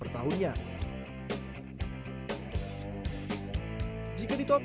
karena ituice tadi berbuk refugees